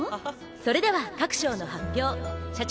それでは各賞の発表社長